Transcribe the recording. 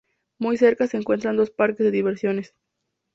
Muy cerca se encuentran dos parques de diversiones.